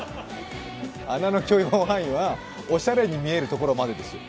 穴の許容範囲はおしゃれに見えるところまでですよ。